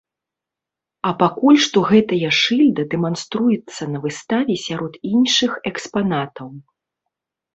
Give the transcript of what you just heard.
А пакуль што гэтая шыльда дэманструецца на выставе сярод іншых экспанатаў.